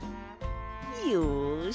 よし！